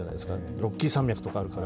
ロッキー山脈とかあるから。